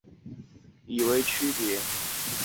原高雄驿同时改称高雄港以为区别。